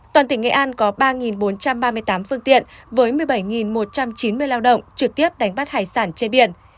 toàn tỉnh nghệ an có ba bốn trăm ba mươi tám phương tiện với một mươi bảy một trăm chín mươi lao động trực tiếp đánh bắt hải sản trên biển